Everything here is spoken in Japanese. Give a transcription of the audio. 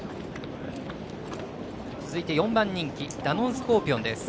続いて４番人気ダノンスコーピオンです。